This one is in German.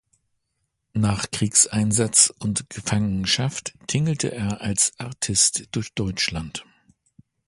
Nach Kriegseinsatz und Gefangenschaft tingelte er als Artist durch Deutschland.